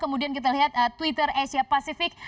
kemudian kita lihat twitter asia pasifik